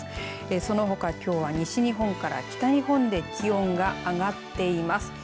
そのほか、きょうは西日本から北日本で気温が上がっています。